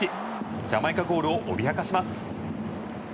ジャマイカゴールを脅かします。